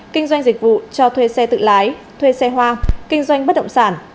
kinh doanh dịch vụ cho thuê xe tự lái thuê xe hoa kinh doanh bất động sản